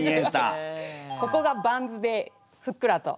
ここがバンズでふっくらと。